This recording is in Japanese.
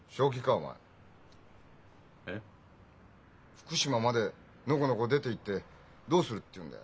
福島までノコノコ出ていってどうするっていうんだよ？